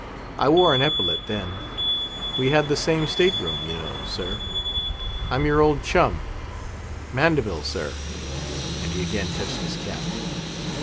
I wore an epaulet then; we had the same state room, you know, sir. I'm your old chum, Mandeville, sir," and he again touched his cap.